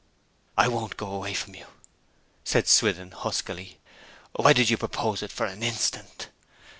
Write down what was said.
'I won't go away from you!' said Swithin huskily. 'Why did you propose it for an instant?'